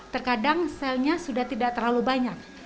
terkadang selnya sudah tidak terlalu banyak